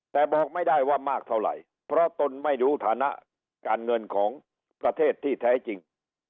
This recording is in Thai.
แต่บอกไม่ได้ว่ามากเท่าไหร่เพราะตนไม่รู้ฐานะการเงินของประเทศที่แท้จริง